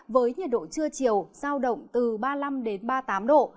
với nhiệt độ trưa chiều giao động từ ba mươi năm đến ba mươi tám độ